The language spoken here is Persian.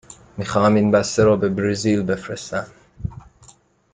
می خواهم این بسته را به برزیل بفرستم.